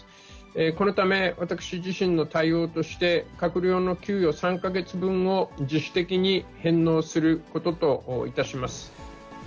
このため、私自身の対応として、閣僚の給与３か月分を自主的に返納することといたします。